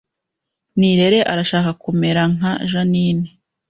Nirere arashaka kumera nka Jeaninne